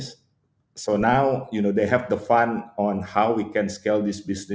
jadi sekarang mereka memiliki keuangan dengan cara untuk menaikkan bisnis ini